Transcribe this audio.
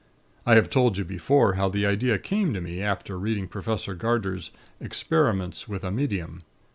I have told you before, how the idea came to me, after reading Professor Garder's 'Experiments with a Medium.'